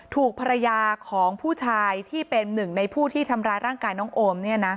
ถูกภรรยาของผู้ชายที่เป็นหนึ่งในผู้ที่ทำร้ายร่างกายน้องโอม